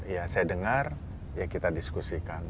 ya saya dengar ya kita diskusikan